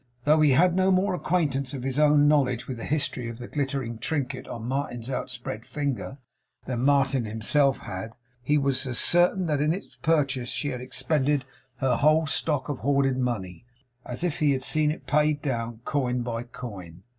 Though he had no more acquaintance of his own knowledge with the history of the glittering trinket on Martin's outspread finger, than Martin himself had, he was as certain that in its purchase she had expended her whole stock of hoarded money, as if he had seen it paid down coin by coin.